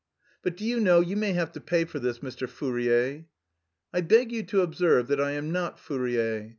"But do you know, you may have to pay for this, Mr. Fourier?" "I beg you to observe that I am not Fourier.